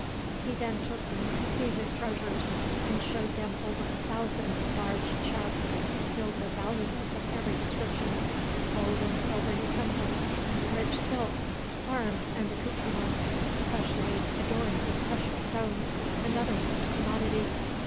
He then took them to see his treasures, and showed them over a thousand large chests filled with valuables of every description; gold and silver utensils, rich silks, arms and accoutrements splendidly adorned with precious stones, and other such commodities.